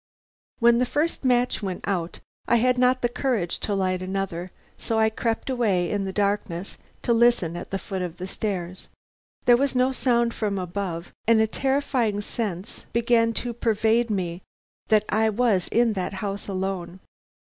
"When the first match went out I had not courage to light another, so I crept away in the darkness to listen at the foot of the stairs. There was no sound from above, and a terrifying sense began to pervade me that I was in that house alone.